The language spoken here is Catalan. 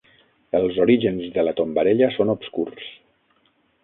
Els orígens de la tombarella són obscurs.